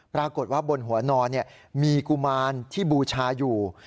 ปรากฏว่าบนหัวนอนมีกุมารที่บูชาอยู่